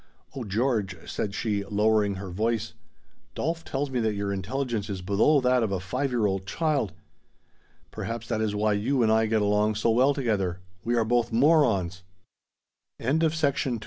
"Oh, George," said she, lowering her voice. "Dolf tells me that your intelligence is below that of a five year old child! Perhaps that is why you and I get along so well together: we are both morons." He started to protest, but she silenc